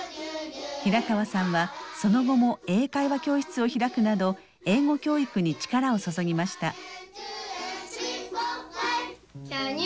平川さんはその後も英会話教室を開くなど英語教育に力を注ぎました。